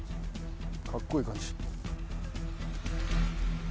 かっこいい感じ。